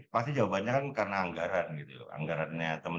baling dengan aset engineering person